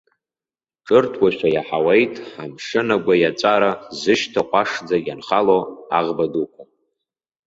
Ҿырҭуашәа иаҳауеит амшын агәы иаҵәара зышьҭа ҟәашӡа ианхало аӷба дуқәа.